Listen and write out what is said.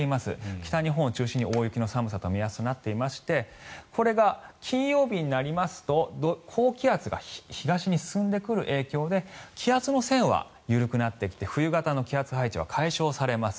北日本を中心に大雪の目安の寒さとなっていましてこれが金曜日になりますと高気圧が東に進んでくる影響で気圧の線は緩くなってきて冬型の気圧配置は解消されます。